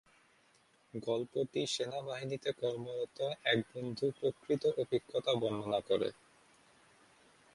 গল্পটি সেনাবাহিনীতে কর্মরত এক বন্ধুর প্রকৃত অভিজ্ঞতা বর্ণনা করে।